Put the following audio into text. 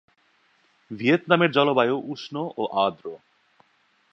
ভিয়েতনামের জলবায়ু উষ্ণ ও আর্দ্র।